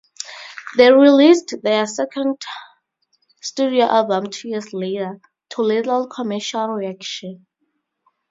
They released their second studio album two years later, to little commercial reaction.